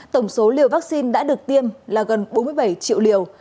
tổng số liều vaccine đã được tiêm là gần bốn mươi bảy triệu liều